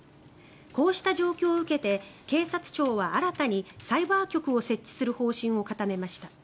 こうした状況を受けて警察庁は新たにサイバー局を設置する方針を固めました。